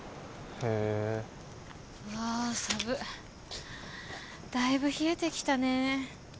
へえうわさぶっだいぶ冷えてきたね